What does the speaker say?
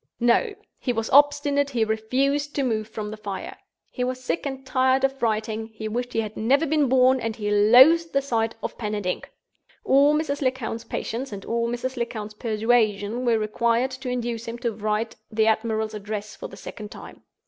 No! He was obstinate; he refused to move from the fire; he was sick and tired of writing: he wished he had never been born, and he loathed the sight of pen and ink. All Mrs. Lecount's patience and all Mrs. Lecount's persuasion were required to induce him to write the admiral's address for the second time.